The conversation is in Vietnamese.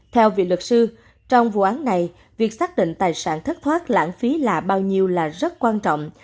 theo vị luật sư trong vụ án này việc xác định tài sản thất thoát lãng phí là bao nhiêu là rất quan trọng